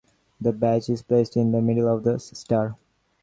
The badge is placed in the middle of the star.